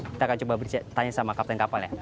kita akan coba bertanya sama kapten kapalnya